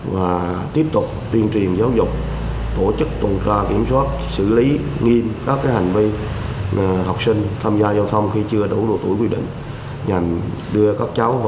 và tiếp tục tuyên truyền giáo dục